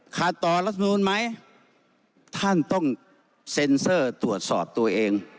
ขาดต่อรัฐมนูลไหมท่านต้องเซ็นเซอร์ตรวจสอบตัวเอง